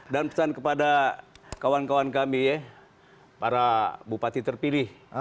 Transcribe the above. dan pesan kepada kawan kawan kami ya para bupati terpilih